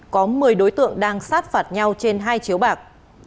có một mươi đối tượng đang sát phạt nhau trên hai chiếu bạc